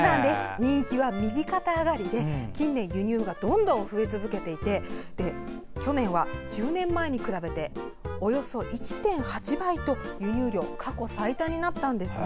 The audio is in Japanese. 人気は右肩上がりで近年、輸入がどんどん増え続けていて去年は１０年前に比べておよそ１．８倍と輸入量が過去最多になったんです。